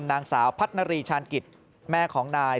นางสาวพัฒนารีชาญกิจแม่ของนาย